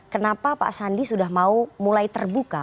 kenapa pak sandi sudah mau mulai terbuka